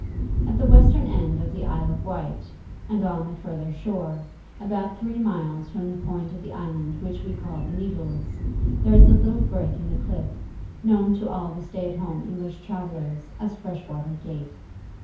At the western end of the Isle of Wight, and on the further shore, about three miles from the point of the island which we call the Needles, there is a little break in the cliff, known to all stay at home English travellers as Freshwater Gate.